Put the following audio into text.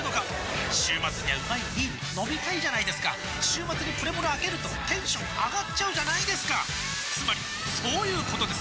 週末にはうまいビール飲みたいじゃないですか週末にプレモルあけるとテンション上がっちゃうじゃないですかつまりそういうことです！